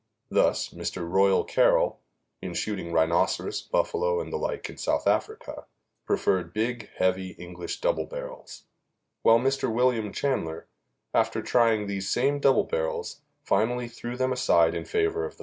Thus, Mr. Royal Carroll, in shooting rhinoceros, buffalo and the like in South Africa, preferred big, heavy English double barrels; while Mr. William Chanler, after trying these same double barrels, finally threw them aside in favor of the